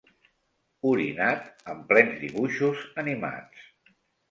Orinat en plens dibuixos animats.